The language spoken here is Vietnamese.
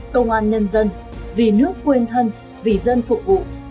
công an nhân dân vì nước quên thân vì dân phục vụ